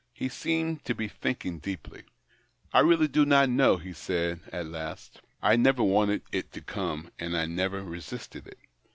He seemed to l^e thinking deeply. " I really do not know," he said at last. "I never wanted it to come, and I never resist it.